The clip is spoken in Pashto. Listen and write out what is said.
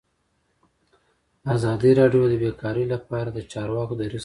ازادي راډیو د بیکاري لپاره د چارواکو دریځ خپور کړی.